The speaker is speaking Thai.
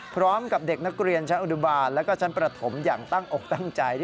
พร้อมกับเด็กนักเรียนชั้นอนุบาลแล้วก็ชั้นประถมอย่างตั้งอกตั้งใจ